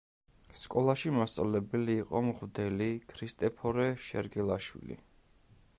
სკოლაში მასწავლებელი იყო მღვდელი ქრისტეფორე შერგელაშვილი.